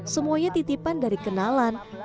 semuanya titipan dari kenalan dan pengetahuan